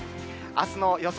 あすの予想